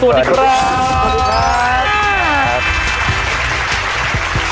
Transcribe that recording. สวัสดีครับ